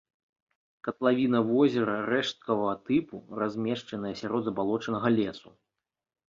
Катлавіна возера рэшткавага тыпу, размешчаная сярод забалочанага лесу.